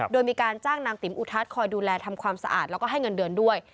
โดยมีการจ้างนางติ๋มอุทัศน์คอยดูแลทำความสะอาดแล้วก็ให้เงินเดือนด้วย